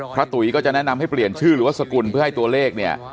ตุ๋ยก็จะแนะนำให้เปลี่ยนชื่อหรือว่าสกุลเพื่อให้ตัวเลขเนี่ย